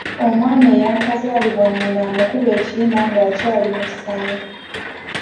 Omwana eyaakazaalibwa nnyina amukuba ekiyina nga akyali mu ssanya.